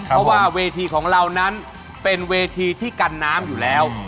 เพราะว่าเวทีของเรานั้นเป็นเวทีที่กันน้ำอยู่แล้ว